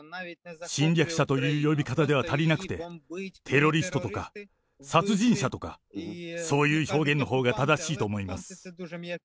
侵略者という呼び方では足りなくて、テロリストとか殺人者とか、そういう表現のほうが正しいと思います。